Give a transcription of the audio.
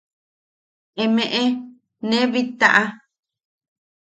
Emeʼe nee bittaʼa.